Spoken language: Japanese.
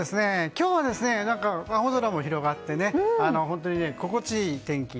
今日は青空も広がって心地いい天気。